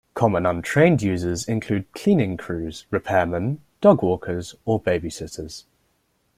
Common untrained users include cleaning crews, repairmen, dog walkers, or babysitters.